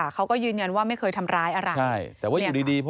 เขาก็ยืนยันว่าไม่เคยทำร้ายอะไร